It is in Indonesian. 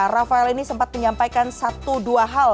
rafael ini sempat menyampaikan satu dua hal